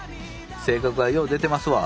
性格がよう出てますわ。